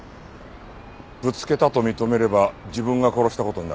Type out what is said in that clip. ぶつけたと認めれば自分が殺した事になる。